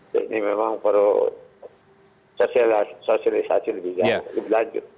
jadi memang perlu sosialisasi lebih lanjut